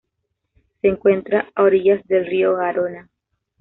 Se encuentra a orillas del río Garona.